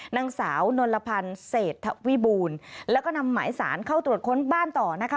นางสาวนลพันธ์เศรษฐวิบูรณ์แล้วก็นำหมายสารเข้าตรวจค้นบ้านต่อนะคะ